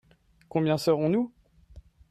Combien serons-nous ?